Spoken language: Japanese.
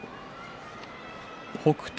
北勝